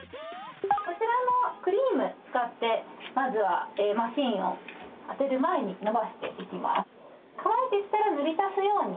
こちらのクリームを使ってまずはマシンを当てる前に伸ばしていきます